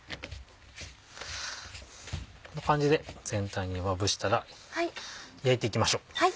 こんな感じで全体にまぶしたら焼いていきましょう。